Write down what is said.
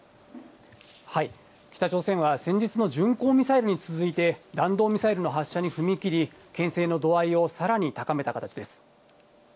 北朝鮮は先日の巡航ミサイルに続いて、弾道ミサイルの発射に踏み切り、けん制の度合いをさらに高めた形です。